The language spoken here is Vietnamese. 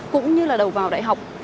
cũng như là đầu vào đại học